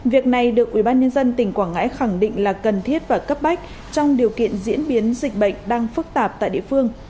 việc này được ubnd tỉnh quảng ngãi khẳng định là cần thiết và cấp bách trong điều kiện diễn biến dịch bệnh đang phức tạp tại địa phương